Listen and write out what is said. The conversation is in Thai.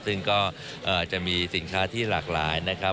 ซึ่งก็จะมีสินค้าที่หลากหลายนะครับ